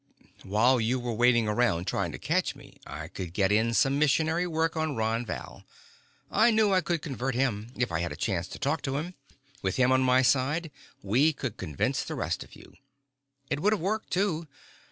While you were waiting around trying to catch me, I could get in some missionary work on Ron Val. I knew I could convert him, if I had a chance to talk to him. With him on my side, we could convince the rest of you. It would have worked too.